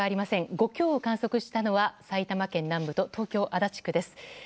５強を観測したのは埼玉県南部と東京・足立区です。